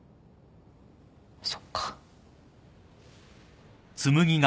そっか。